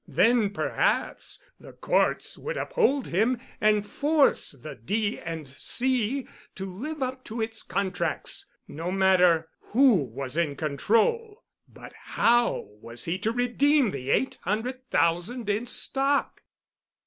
Then, perhaps, the courts would uphold him and force the D. & C. to live up to its contracts—no matter who was in control. But how was he to redeem the eight hundred thousand in stock?